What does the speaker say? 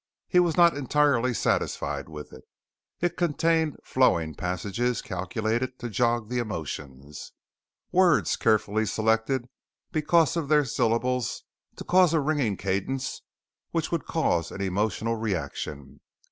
He was not entirely satisfied with it. It contained flowing passages calculated to jog the emotions, words carefully selected because of their syllables to cause a ringing cadence which would cause an emotional reaction.